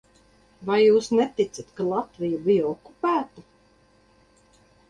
Vai jūs neticat, ka Latvija bija okupēta?